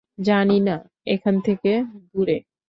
জানি না, এখান থেকে দূরে।